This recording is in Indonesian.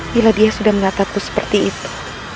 bila dia sudah menataku seperti itu